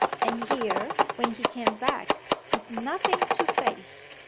And here when he came back was nothing to face!